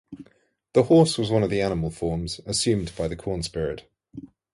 The horse was one of the animal forms assumed by the corn-spirit.